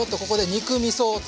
肉みそ。